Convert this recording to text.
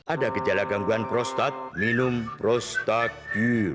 ada gejala gangguan prostat minum prostagil